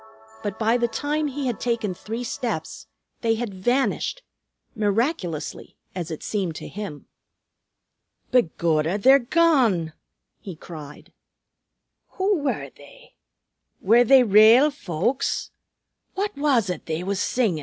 But by the time he had taken three steps they had vanished, miraculously, as it seemed to him. "Begorra, they're gone!" he cried. "Who were they? Were they rale folks? What was it they was singin'?"